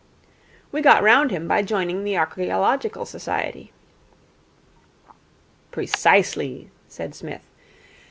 'We got round him by joining the Archaeological Society.' 'Precisely,' said Psmith.